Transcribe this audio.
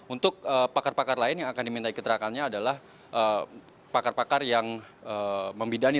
untuk pakar pakar lain yang akan diminta keterangannya adalah pakar pakar yang membidani